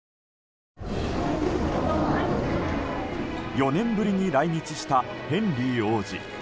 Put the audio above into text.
４年ぶりに来日したヘンリー王子。